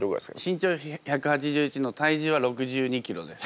身長１８１の体重は６２ｋｇです。